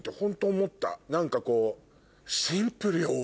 何かこう。